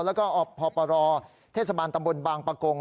แล้วก็พปรเทศบาลตำบลบางปะกง